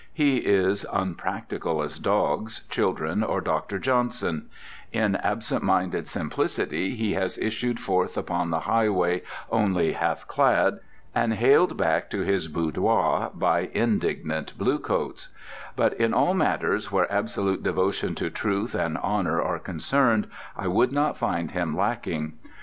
He is unpractical as dogs, children, or Dr. Johnson; in absent minded simplicity he has issued forth upon the highway only half clad, and been haled back to his boudoir by indignant bluecoats; but in all matters where absolute devotion to truth and honour are concerned I would not find him lacking.